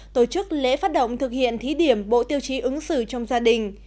tổ chức lễ phát động thực hiện thí điểm bộ tiêu chí ứng xử trong gia đình